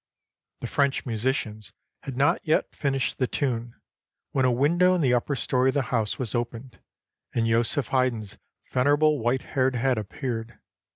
The French musicians had not yet finished the tune, when a window in the upper story of the house was opened, and Joseph Haydn's venerable white haired head appeared.